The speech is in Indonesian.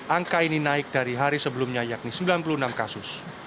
angka ini naik dari hari sebelumnya yakni sembilan puluh enam kasus